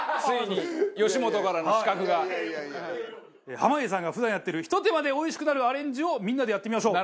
濱家さんが普段やってるひと手間でおいしくなるアレンジをみんなでやってみましょう。